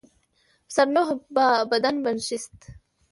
پسر نوح با بدان بنشست.